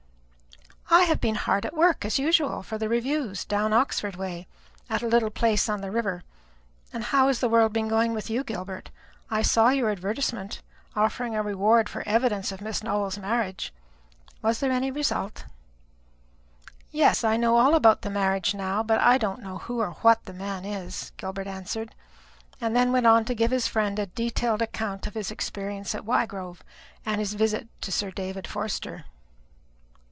"I have been hard at work, as usual, for the reviews, down Oxford way, at a little place on the river. And how has the world been going with you, Gilbert? I saw your advertisement offering a reward for evidence of Miss Nowell's marriage. Was there any result?" "Yes; I know all about the marriage now, but I don't know who or what the man is," Gilbert answered; and then went on to give his friend a detailed account of his experience at Wygrove, and his visit to Sir David Forster.